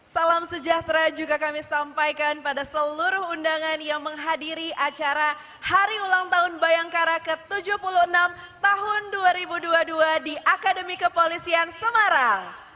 salam sejahtera juga kami sampaikan pada seluruh undangan yang menghadiri acara hari ulang tahun bayangkara ke tujuh puluh enam tahun dua ribu dua puluh dua di akademi kepolisian semarang